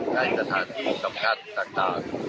ให้สถานที่สำคัญต่าง